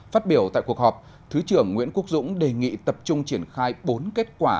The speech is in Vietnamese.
phát biểu tại cuộc họp thứ trưởng nguyễn quốc dũng đề nghị tập trung triển khai bốn kết quả